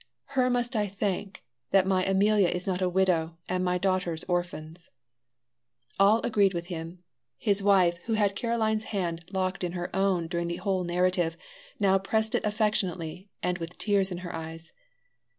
Her must I thank that my Amelia is not a widow and my daughters orphans." All agreed with him. His wife, who had Caroline's hand locked in her own during the whole narrative, now pressed it affectionately and with tears in her eyes.